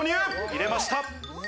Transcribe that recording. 入れました。